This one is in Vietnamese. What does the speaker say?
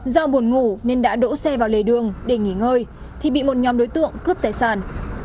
do buồn ngủ nên đã đỗ xe vào lề đường để nghỉ ngơi thì bị một nhóm đối tượng cướp tài sản